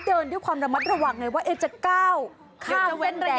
เขาเดินที่ความระมัดระหว่างไงว่าจะก้าวข้ามเส้นแดง